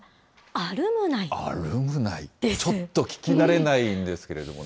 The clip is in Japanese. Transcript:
アルムナイ、ちょっと聞き慣れないんですけれどもね。